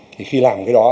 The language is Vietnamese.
thì khi làm cái đó